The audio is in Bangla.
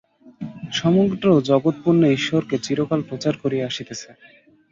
সমগ্র জগৎ পুণ্যের ঈশ্বরকে চিরকাল প্রচার করিয়া আসিতেছে।